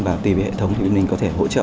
và tùy về hệ thống thì bọn mình có thể hỗ trợ